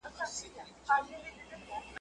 چي زما او ستا بايده دي، ليري او نژدې څه دي.